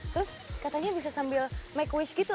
terus katanya bisa sambil make waste gitu